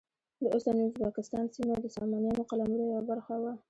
د اوسني ازبکستان سیمه د سامانیانو قلمرو یوه برخه وه.